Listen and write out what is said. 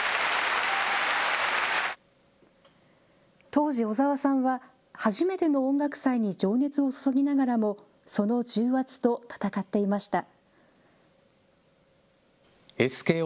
当時、小澤さんは初めての音楽祭に情熱を注ぎながらもその重圧と戦っていました。